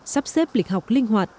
sắp xếp lịch học linh hoạt